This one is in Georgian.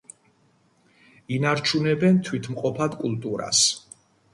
ინარჩუნებენ თვითმყოფად კულტურას.